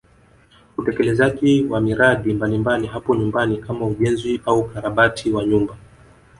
Utekelezaji wa miradi mbalimbali hapo nyumbani kama ujenzi au ukarabati wa nyumba